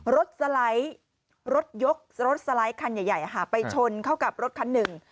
สไลด์รถยกรถสไลด์คันใหญ่ไปชนเข้ากับรถคันหนึ่ง